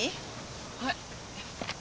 はい。